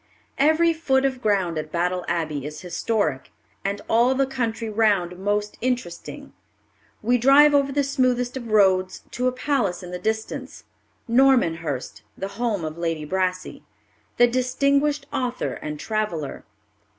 Every foot of ground at Battle Abbey is historic, and all the country round most interesting. We drive over the smoothest of roads to a palace in the distance, Normanhurst, the home of Lady Brassey, the distinguished author and traveller.